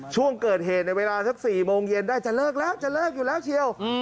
ช่วงเกิดเหตุในเวลาสัก๔โมงเย็นได้จะเลิกแล้วจะเลิกอยู่แล้วเชียว